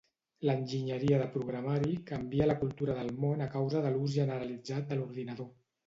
L'enginyeria de programari canvia la cultura del món a causa de l'ús generalitzat de l'ordinador.